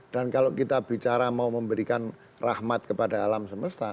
dan kalau kita bicara mau memberikan rahmat kepada alam semesta